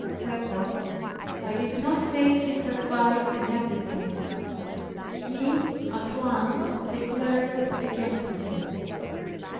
Second, I did not take his advice in everything. He at once declared against me.